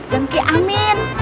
dan ki amin